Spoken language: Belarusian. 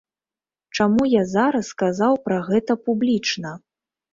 Чаму я зараз сказаў пра гэта публічна?